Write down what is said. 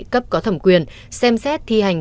cấp có thẩm quyền xem xét thi hành